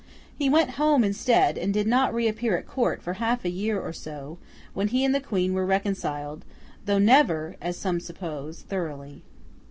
He went home instead, and did not reappear at Court for half a year or so, when he and the Queen were reconciled, though never (as some suppose) thoroughly.